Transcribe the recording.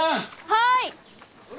はい！